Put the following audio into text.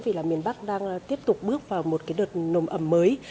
vì miền bắc đang tiếp tục bước vào một đợt nồm ẩm mới